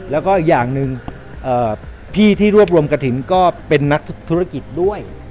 แล้วก็อย่างหนึ่งพี่ที่รวบรวมกระถิ่นก็เป็นนักธุรกิจด้วย